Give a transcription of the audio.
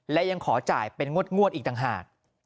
และยังขอจ่ายเป็นงวดอีกต่างหาก